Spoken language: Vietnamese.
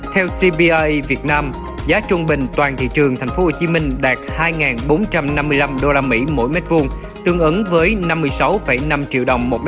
theo cba việt nam giá trung bình toàn thị trường tp hcm đạt hai bốn trăm năm mươi năm usd mỗi mét vuông tương ứng với năm mươi sáu năm triệu đồng một m hai